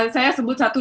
saya sebut satu